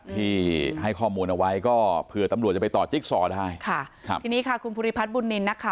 ที่ให้ข้อมูลเอาไว้ก็เผื่อตังค์หน่วยต่อจิ๊กซอได้ค่ะครับที่นี่ค่ะคุณภูริพัฒน์บุนินทร์